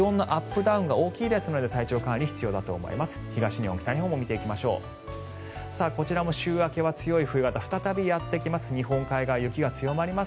ダウンが大きいですので体調管理、必要だと思います。